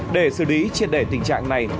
để xử lý triệt đẩy tình trạng này